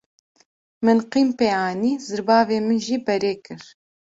Min qîm pê anî; zirbavê min jî berê kir.